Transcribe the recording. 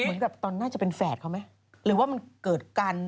เหมือนกับตอนน่าจะเป็นแฝดเขาไหมหรือว่ามันเกิดกัน